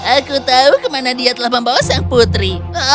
aku tahu kemana dia telah membawa sang putri